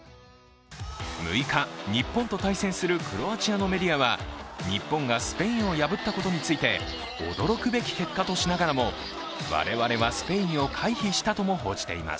６日、日本と対戦するクロアチアのメディアは日本がスペインを破ったことについて驚くべき結果としながらも我々はスペインを回避したとも報じています。